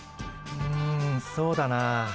んそうだな。